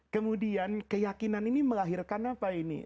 kemudian keyakinan ini melahirkan apa ini